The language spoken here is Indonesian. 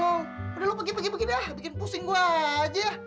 aduh lo pergi pergi dah bikin pusing gue aja